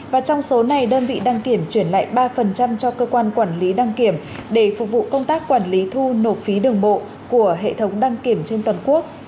và trong số này đơn vị đăng kiểm chuyển lại ba cho cơ quan quản lý đăng kiểm để phục vụ công tác quản lý thu nộp phí đường bộ của hệ thống đăng kiểm trên toàn quốc